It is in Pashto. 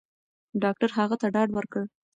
ډاکټر هغه ته ډاډ ورکړ.